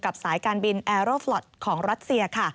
กับสายการบินแอโรฟล็อตของรัชเซีย